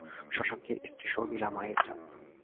শশাঙ্কের স্ত্রী শর্মিলা মায়ের জাত।